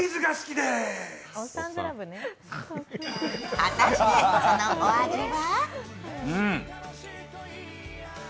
果たしてそのお味は？